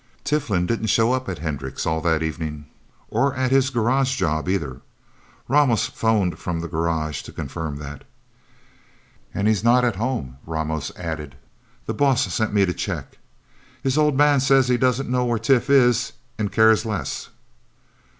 Tiflin didn't show up at Hendricks' at all that evening, or at his garage job either. Ramos phoned from the garage to confirm that. "And he's not at home," Ramos added. "The boss sent me to check. His Old Man says he doesn't know where Tif is and cares less."